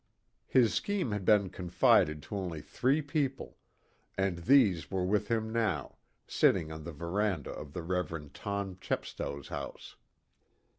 His scheme had been confided to only three people, and these were with him now, sitting on the veranda of the Rev. Tom Chepstow's house.